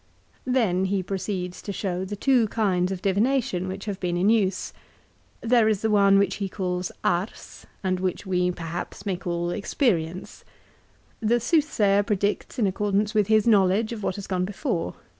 Then he proceeds to show the two kinds of divination which have been in use. There is the one which he calls " Ars," and which we perhaps may call experience. The soothsayer predicts in accordance with his knowledge of what has gone before.